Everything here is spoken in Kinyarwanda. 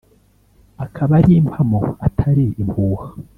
Akaba ari impamo atari impuha